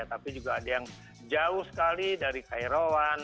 tapi juga ada yang jauh sekali dari cairoan